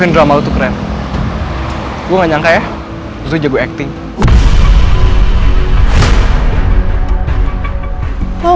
sampai jumpa di video selanjutnya